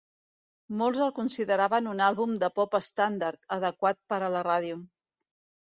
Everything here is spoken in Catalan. Molts el consideraven un àlbum de pop estàndard, adequat per a la ràdio.